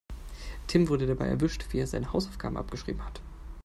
Tim wurde dabei erwischt, wie er seine Hausaufgaben abgeschrieben hat.